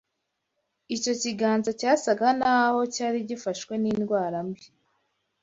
Icyo kiganza cyasaga n’aho cyari cyafashwe n’indwara mbi